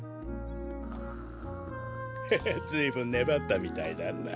ググ。へへずいぶんねばったみたいだな。